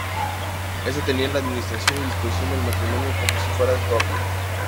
Este tenia la administración y disposición del matrimonio como si fuera propio.